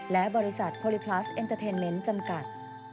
และบริษัทโพลิพลัสเอ็นเตอร์เทนเมนต์จำกัด